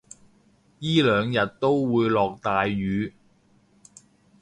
依兩日都會落大雨